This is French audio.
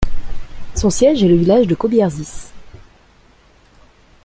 Son siège est le village de Kobierzyce.